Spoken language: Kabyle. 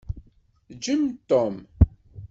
Ǧǧem Tom.